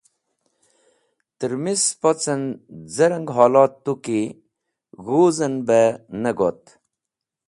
Trẽmis spocen z̃ereng holot tu ki g̃huz en be ne got.